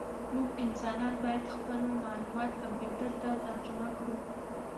موږ انسانان باید خپل معلومات کمپیوټر ته ترجمه کړو.